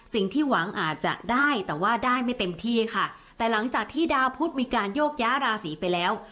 สิ่งที่หวังอาจจะได้แต่ว่าได้ไม่เต็มที่ค่ะแต่หลังจากที่ดาวพุทธมีการโยกย้าราศีไปแล้ว